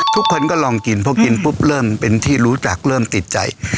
ทุกคนก็ลองกินคือเริ่มที่รู้จักเริ่มติดใจ